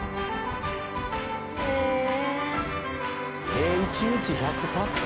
えっ一日１００パック？